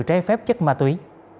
trái phép chất ma túy